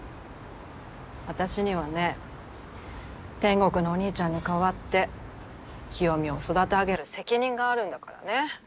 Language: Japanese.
私にはね天国のお兄ちゃんに代わって清美を育て上げる責任があるんだからね。